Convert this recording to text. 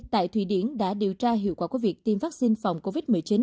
tại thụy điển đã điều tra hiệu quả của việc tiêm vaccine phòng covid một mươi chín